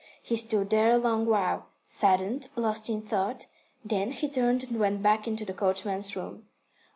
He stood there a long while, saddened, lost in thought, then he turned and went back into the coachman's room.